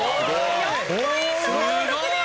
４ポイント獲得です。